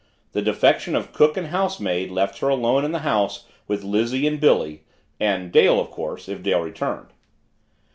The defection of cook and housemaid left her alone in the house with Lizzie and Billy and Dale, of course, if Dale returned.